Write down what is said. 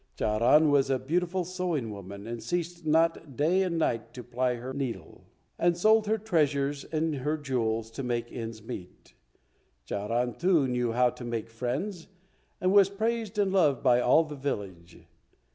Charan was a beautiful sewing woman, and ceased not day and night to ply her needle, and sold her treasures and her jewels to make ends meet. Charan, too, knew how to make friends, and was praised and loved by all the village.